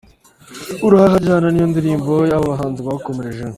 Urare aharyana niyo ndirimbo aba bahanzi bakomerejeho.